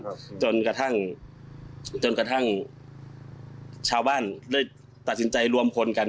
จนกระทั่งจนกระทั่งชาวบ้านได้ตัดสินใจรวมคนกัน